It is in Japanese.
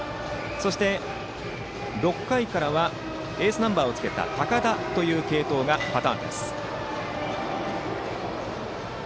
そして、６回からはエースナンバーをつけた高田という継投がパターンです。